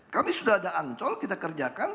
kami sudah ada ancol kita kerjakan